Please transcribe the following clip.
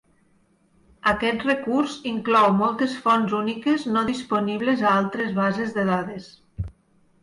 Aquest recurs inclou moltes fonts úniques no disponibles a altres bases de dades.